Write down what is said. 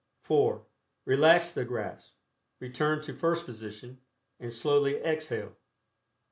(4) Relax the grasp, return to first position, and slowly exhale.